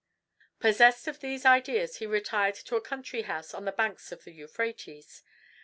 Possessed of these ideas he retired to a country house on the banks of the Euphrates.